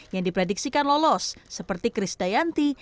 yang diprediksikan lolos seperti chris dayanti